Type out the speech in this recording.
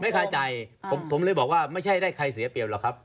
คาใจผมเลยบอกว่าไม่ใช่ได้ใครเสียเปรียบหรอกครับ